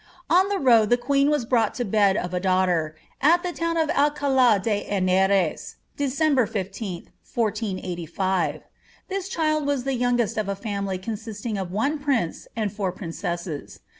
On the road the queen was brought to bed of a daughter,* at the town of Alcala de Henares, December 15, 1485. This child was the youngest of a family consisting of one prince and four princesses.